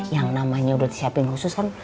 yang namanya udah siapin khusus kan